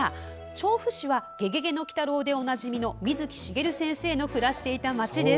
「調布市は「ゲゲゲの鬼太郎」でおなじみの水木しげる先生の暮らしていた町です。